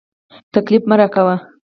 تکليف مه راکوه.